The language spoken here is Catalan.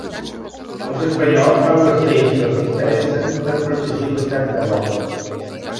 Els espanyols fan les lleis que els interessen per protegir l’estat que volen.